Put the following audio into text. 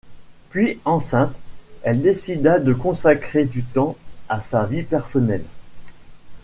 Puis, enceinte, elle décida de consacrer du temps à sa vie personnelle.